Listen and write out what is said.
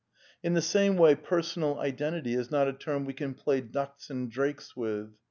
In the same way, " personal identity ^^ is not a term we can play ducks and drakes with.